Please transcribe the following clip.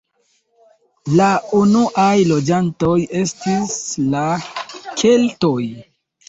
La unuaj loĝantoj estis la keltoj.